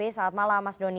selamat malam mas doni